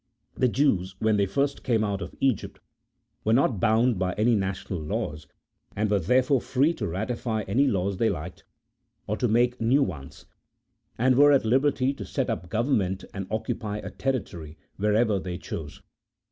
The Jews when they first came out CHAP. V.] OP THE CEREMONIAL LAW. 75 of Egypt were not bound by any national laws, and were therefore free to ratify any laws they liked, or to make new ones, and were at liberty to set up a government and occnpy a territory wherever they chose.